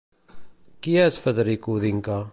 Qui és Federico D'Inca?